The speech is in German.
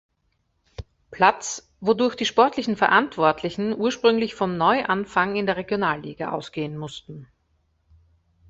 Platz, wodurch die sportlichen Verantwortlichen ursprünglich von Neuanfang in der Regionalliga ausgehen mussten.